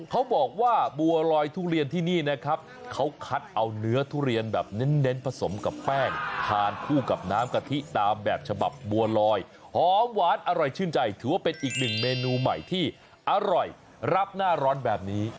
เขาบอกว่าบัวลอยทุเรียนที่นี่นะครับเขาคัดเอาเนื้อทุเรียนแบบเน้นผสมกับแป้งทานคู่กับน้ำกะทิตามแบบฉบับบัวลอยหอมหวานอร่อยชื่นใจถือว่าเป็นอีกหนึ่งเมนูใหม่ที่อร่อยรับหน้าร้อนแบบนี้